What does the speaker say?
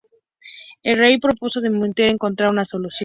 El rey propuso que Mortimer encontrara una solución.